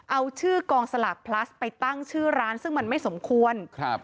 เอาชื่อกองสลากพลัสไปตั้งชื่อร้านซึ่งมันไม่สมควรครับ